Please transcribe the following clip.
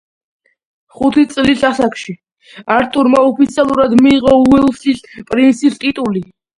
ხუთი წლის ასაკში არტურმა ოფიციალურად მიიღო უელსის პრინცის ტიტული.